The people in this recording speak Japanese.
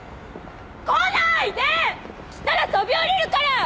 来たら飛び降りるから！